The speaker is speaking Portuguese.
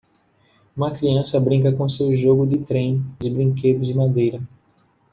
Uma criança brinca com seu jogo de trem de brinquedo de madeira.